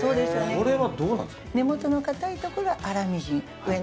これはどうなんですか？